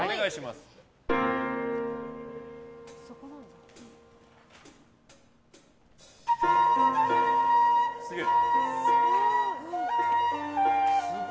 すげえ。